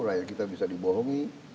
rakyat kita bisa dibohongi